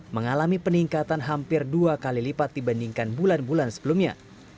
mengalami peningkatan hampir dua kali lipat dibandingkan bulan bulan sebelumnya